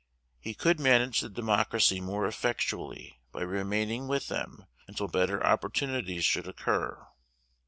He could manage the Democracy more effectually by remaining with them until better opportunities should occur.